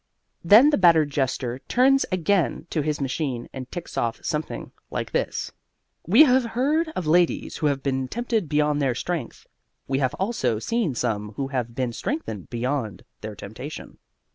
Then the battered jester turns again to his machine and ticks off something like this: _We have heard of ladies who have been tempted beyond their strength. We have also seen some who have been strengthened beyond their temptation.